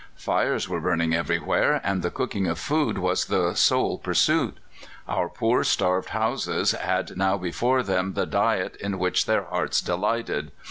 "Fires were burning everywhere, and the cooking of food was the sole pursuit. Our poor starved Hausas had now before them the diet in which their hearts delighted.